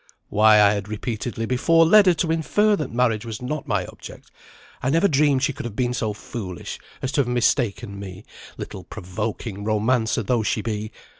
"Why I had repeatedly before led her to infer that marriage was not my object. I never dreamed she could have been so foolish as to have mistaken me, little provoking romancer though she be!